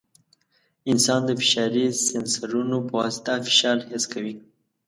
انسان د فشاري سینسرونو په واسطه فشار حس کوي.